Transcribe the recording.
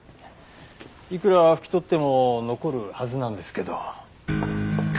いくら拭き取っても残るはずなんですけど。